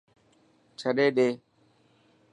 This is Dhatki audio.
ڇڏي ڏي.